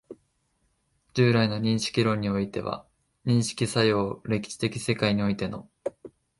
従来の認識論においては、認識作用を歴史的世界においての